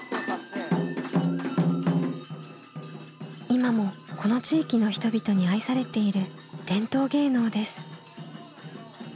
今もこの地域の人々に愛されている伝統芸能です。